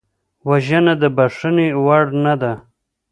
وژنه د بښنې وړ نه ده